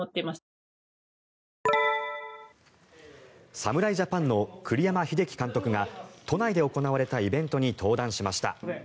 侍ジャパンの栗山英樹監督が都内で行われたイベントに登壇しました。